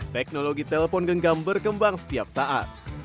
teknologi telpon genggam berkembang setiap saat